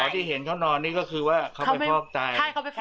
ที่เห็นเขานอนนี่ก็คือว่าเขาไปฟอกไต